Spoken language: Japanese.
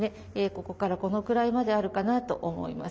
ここからこのくらいまであるかなと思います。